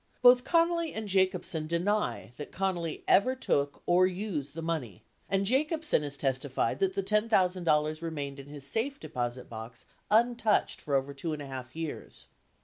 Both Connally and Jacobsen deny that Connally ever took or used the money and Jacobsen has testified that the $10,000 remained in his safe deposit box untouched for over 214 years.